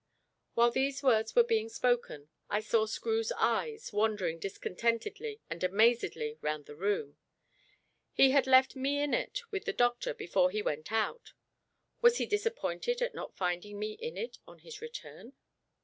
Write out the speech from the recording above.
While these words were being spoken, I saw Screw's eyes wandering discontentedly and amazedly round the room. He had left me in it with the doctor before he went out: was he disappointed at not finding me in it on his return?